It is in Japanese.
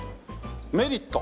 メリット。